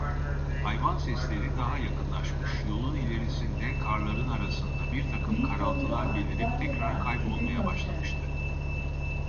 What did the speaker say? Hayvan sesleri daha yakınlaşmış, yolun ilerisinde, karların arasında, birtakım karaltılar belirip tekrar kaybolmaya başlamıştı.